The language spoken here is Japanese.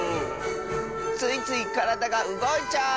ついついからだがうごいちゃう！